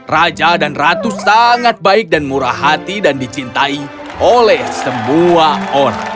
raja dan ratu sangat baik dan murah hati dan dicintai oleh semua orang